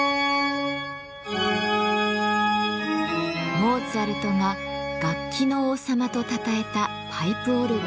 モーツァルトが「楽器の王様」とたたえたパイプオルガン。